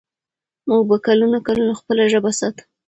موږ به کلونه کلونه خپله ژبه ساتو.